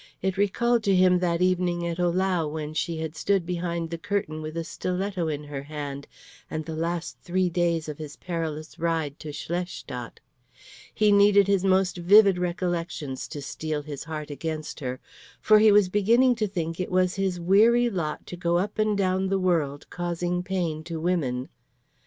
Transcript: It recalled to him that evening at Ohlau when she had stood behind the curtain with a stiletto in her hand, and the three last days of his perilous ride to Schlestadt. He needed his most vivid recollections to steel his heart against her; for he was beginning to think it was his weary lot to go up and down the world causing pain to women.